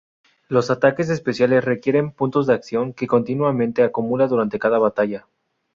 Los ataques especiales requieren "puntos de acción", que continuamente acumula durante cada batalla.